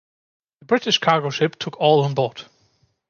The British cargo ship took all on board.